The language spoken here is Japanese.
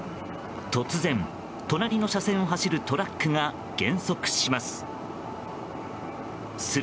突然、隣の車線を走るトラックが減速します。